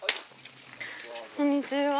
こんにちは。